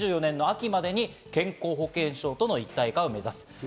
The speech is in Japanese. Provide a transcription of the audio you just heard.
２０２４年の秋までに健康保険証との一体化を目指す。